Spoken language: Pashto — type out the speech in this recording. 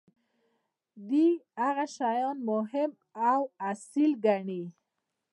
دي هغه شیان مهم او اصیل ګڼي.